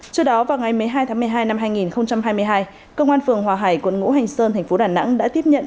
trước đó vào ngày một mươi hai tháng một mươi hai năm hai nghìn hai mươi hai công an phường hòa hải quận ngũ hành sơn thành phố đà nẵng đã tiếp nhận